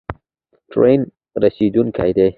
ټرین رسیدونکی دی